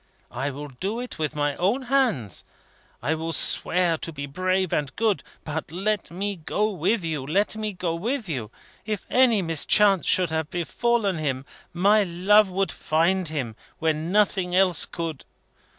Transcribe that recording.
I will do it with my own hands. I will swear to be brave and good. But let me go with you, let me go with you! If any mischance should have befallen him, my love would find him, when nothing else could.